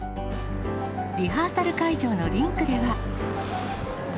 リハーサル会場のリンクでは。